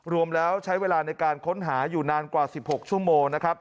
รวมแล้วใช้เวลาในการค้นหาอยู่นานกว่า๑๖ชั่วโมงนะครับ